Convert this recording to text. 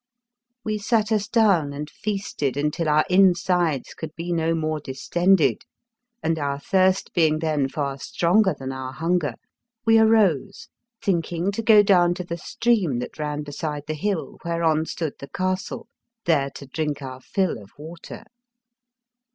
We sat us down and feasted until our insides could be no more dis tended, and, our thirst being then far stronger than our hunger, we arose, thinking to go down to the stream that ran beside the hill whereon stood the castle, there to drink our fill of water.